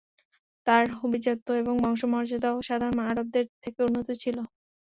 তার আভিজাত্য এবং বংশ মর্যাদাও সাধারণ আরবদের থেকে উন্নত ছিল।